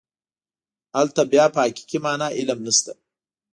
هلته بیا په حقیقي معنا علم نشته.